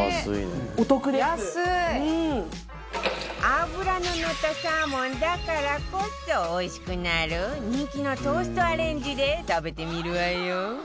脂の乗ったサーモンだからこそおいしくなる人気のトーストアレンジで食べてみるわよ